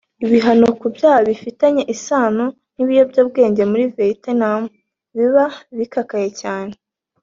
Ibihano ku byaha bifitanye isano n’ibiyobyabwenge muri Vietnam biba bikakaye cyane